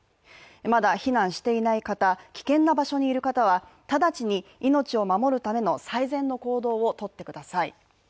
まだ避難していない方、危険な場所にいる方は直ちに命を守るための最善の行動をとってください。